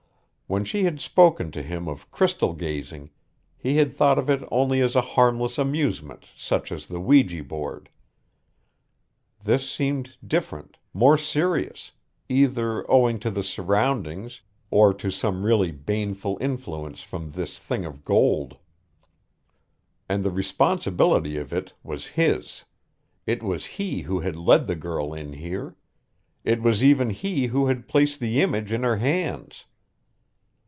When she had spoken to him of crystal gazing, he had thought of it only as a harmless amusement such as the Ouija board. This seemed different, more serious, either owing to the surroundings or to some really baneful influence from this thing of gold. And the responsibility of it was his; it was he who had led the girl in here, it was even he who had placed the image in her hands.